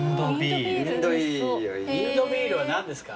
インド・ビールは何ですか？